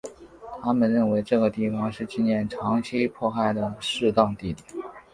他们认为这个地方是纪念长期迫害的适当地点。